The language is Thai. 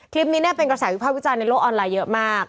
คลิปนี้เป็นกระแสวิภาพวิจารณ์ในโลกออนไลน์เยอะมาก